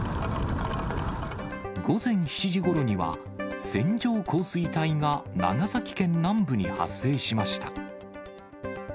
午前７時ごろには、線状降水帯が長崎県南部に発生しました。